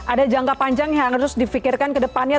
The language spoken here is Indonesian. ada jangka panjang yang harus difikirkan ke depannya